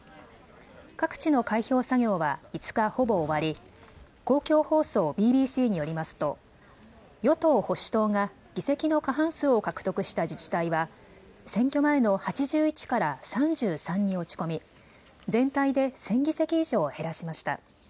各地の開票作業は５日ほぼ終わり公共放送ＢＢＣによりますと与党・保守党が議席の過半数を獲得した自治体は選挙前の８１から３３に落ち込み全体で１０００議席以上減らしました。